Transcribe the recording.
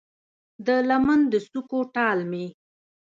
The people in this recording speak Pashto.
د لمن د څوکو ټال مې